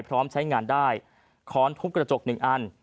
พร้อมใช้งานได้ค้อนทุบกระจกหนึ่งอัน